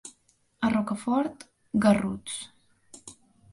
A Rocafort, garruts.